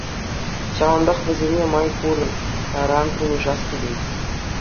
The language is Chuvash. Ҫавӑнпах вӗсене май пур таран пулӑшас килет.